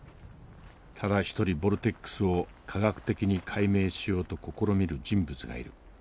ただ一人ボルテックスを科学的に解明しようと試みる人物がいる。